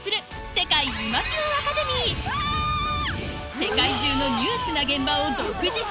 世界中のニュースな現場を独自取材